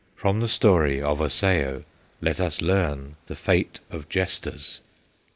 From the story of Osseo Let us learn the fate of jesters!"